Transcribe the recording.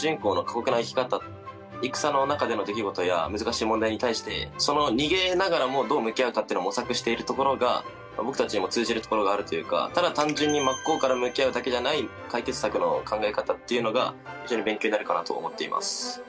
戦の中での出来事や難しい問題に対して逃げながらもどう向き合うかというのを模索しているところが僕たちにも通じるところがあるというかただ単純に真っ向から向き合うだけじゃない解決策の考え方っていうのが非常に勉強になるかなと思っています。